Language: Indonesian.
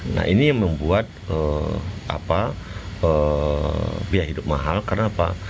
nah ini membuat biaya hidup mahal kenapa